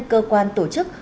cơ quan tổ chức